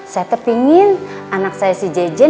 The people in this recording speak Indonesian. saya kepengen anak saya si jejen